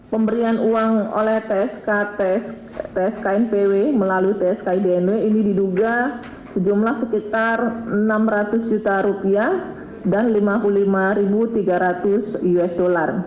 pemberian uang oleh tsk tsk knpw melalui tsk idnw ini diduga sejumlah sekitar enam ratus juta rupiah dan lima puluh lima tiga ratus usd